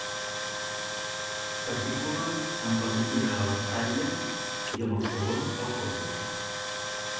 S'articula amb la primera a l'espatlla, i amb el segon al colze.